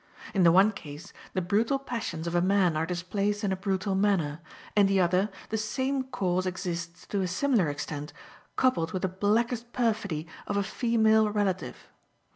In the one case, the brutal passions of a man are displayed in a brutal manner; in the other, the same cause exists to a similar extent, coupled with the blackest perfidy of a female relative.